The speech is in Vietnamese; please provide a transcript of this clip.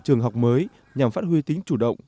trường học mới nhằm phát huy tính chủ động